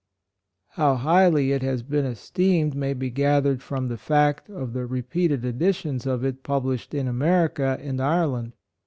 How highly it has been esteemed may be gathered from the fact of the repeated editions of it published in America and Ireland.